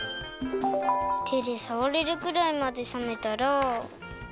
てでさわれるくらいまでさめたら。